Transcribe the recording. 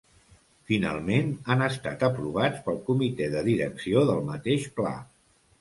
Finalment han estat aprovats pel Comitè de Direcció del mateix pla.